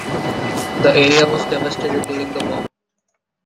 The area was devastated during the war.